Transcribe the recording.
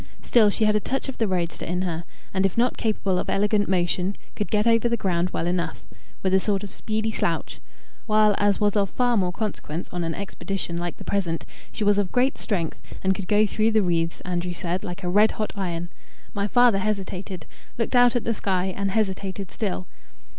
Still she had a touch of the roadster in her, and if not capable of elegant motion, could get over the ground well enough, with a sort of speedy slouch, while, as was of far more consequence on an expedition like the present, she was of great strength, and could go through the wreaths, Andrew said, like a red hot iron. My father hesitated, looked out at the sky, and hesitated still.